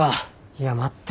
いや待って。